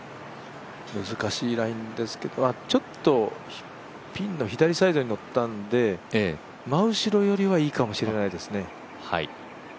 難しいラインですけどちょっとピンの左サイドにのったんで真後ろよりはいいかもしれないですね。